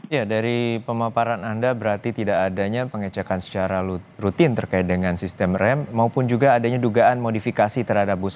ya dari pemaparan anda berarti tidak adanya pengecekan secara rutin terkait dengan sistem rem maupun juga adanya dugaan modifikasi terhadap bus